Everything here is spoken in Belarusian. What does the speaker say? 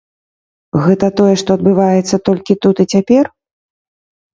Гэта тое, што адбываецца толькі тут і цяпер?